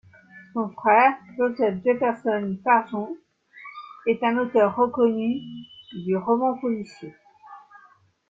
Son frère, Joseph Jefferson Farjeon, est un auteur reconnu de roman policier.